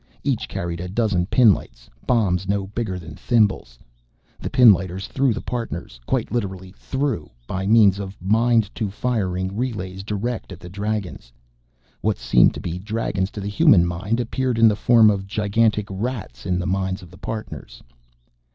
Each carried a dozen pinlights, bombs no bigger than thimbles. The pinlighters threw the Partners quite literally threw by means of mind to firing relays direct at the Dragons. What seemed to be Dragons to the human mind appeared in the form of gigantic Rats in the minds of the Partners.